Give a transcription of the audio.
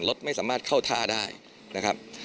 รถไม่สามารถเข้าท่าได้นะครับ